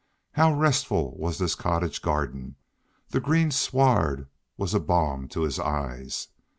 How restful was this cottage garden! The green sward was a balm to his eyes.